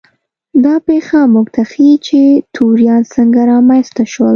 دا پېښه موږ ته ښيي چې توریان څنګه رامنځته شول.